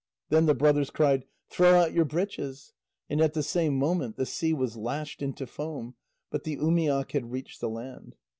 Then the brothers cried: "Throw out your breeches!" And at the same moment the sea was lashed into foam, but the umiak had reached the land.